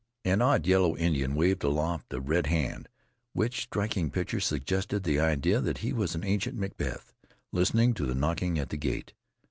An odd yellow Indian waved aloft a red hand, which striking picture suggested the idea that he was an ancient Macbeth, listening to the knocking at the gate.